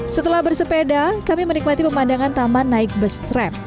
setelah bersepeda kami menikmati pemandangan taman naik bus tram